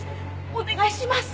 お願いします。